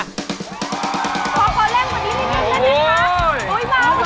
พอเล่นกว่านี้นิดค่ะ